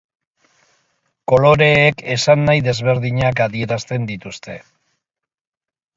Koloreek esan nahi desberdinak adierazten dituzte.